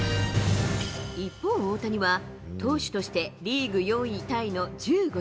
一方、大谷は投手としてリーグ４位タイの１５勝。